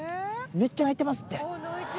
めっちゃ泣いてますって。